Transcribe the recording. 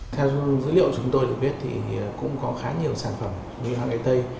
theo dữ liệu chúng tôi được biết thì cũng có khá nhiều sản phẩm như hàng y tế